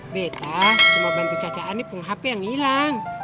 betta cuma bantu caca ani punggung hp yang ilang